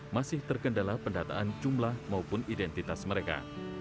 masih terkendala pendataan jumlah maupun identitas mereka